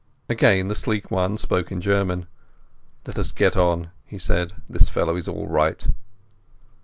Again the sleek one spoke in German. "Let us get on," he said. "This fellow is all right."